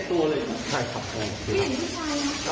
เก็บตู้เลยใครฝับตัว